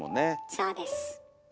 そうです。